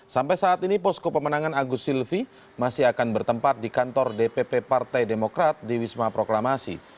sampai saat ini posko pemenangan agus silvi masih akan bertempat di kantor dpp partai demokrat di wisma proklamasi